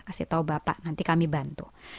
kasih tahu bapak nanti kami bantu